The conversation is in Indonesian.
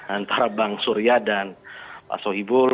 antara bang surya dan pak sohibul